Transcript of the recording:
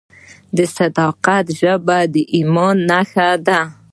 د صداقت ژبه د ایمان نښه ده.